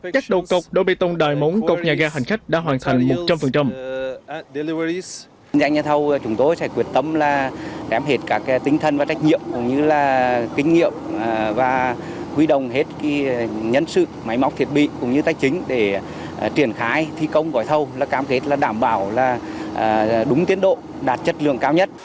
chất đầu cọc đôi bê tông đài mống cọc nhà gai hành khách đã hoàn thành một trăm linh